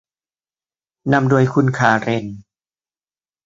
นำโดยคุณคาเรน